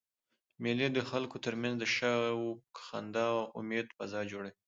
مېلې د خلکو ترمنځ د شوق، خندا او امېد فضا جوړوي.